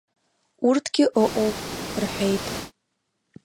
Урҭгьы ыҟоуп, — рҳәеит.